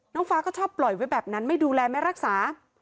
น้องฟ้าก็ชอบปล่อยไว้แบบนั้นไม่ดูแลไม่รักษา